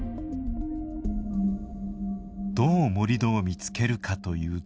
どう盛土を見つけるかというと。